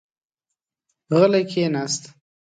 غلی کېناست.